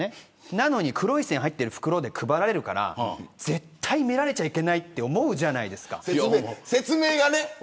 なのに黒い線が入っている袋で配られるから絶対見られちゃいけないって思うじゃないですか。